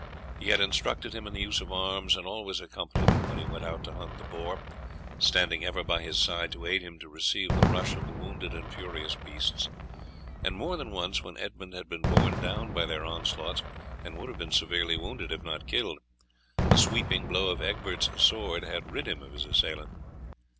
He had instructed him in the use of arms, and always accompanied him when he went out to hunt the boar, standing ever by his side to aid him to receive the rush of the wounded and furious beasts; and more than once, when Edmund had been borne down by their onslaughts, and would have been severely wounded, if not killed, a sweeping blow of Egbert's sword had rid him of his assailant.